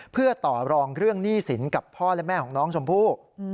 เพื่อต่อรองเรื่องหนี้สินกับพ่อและแม่ของน้องชมพู่